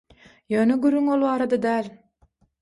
Ýöne gürrüň ol barada däl.